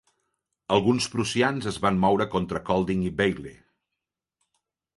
Alguns prussians es van moure contra Kolding i Vejle.